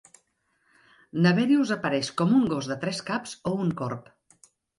Naberius apareix com un gos de tres caps o un corb.